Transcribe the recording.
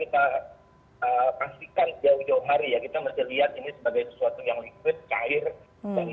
ini sebagai sesuatu yang liquid cair dan